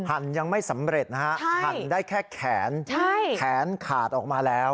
หั่นยังไม่สำเร็จนะฮะหั่นได้แค่แขนแขนขาดออกมาแล้ว